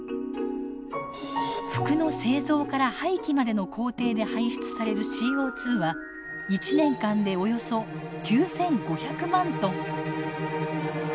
服の製造から廃棄までの工程で排出されるＣＯ２は１年間でおよそ９，５００万トン。